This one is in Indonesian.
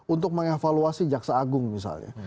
untuk mengevaluasi jaksa agung misalnya